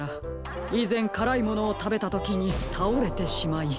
いぜん辛いものをたべたときにたおれてしまい。